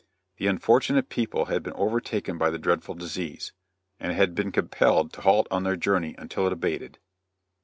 The unfortunate people had been overtaken by the dreadful disease, and had been compelled to halt on their journey until it abated.